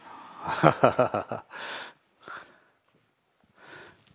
ハハハハ。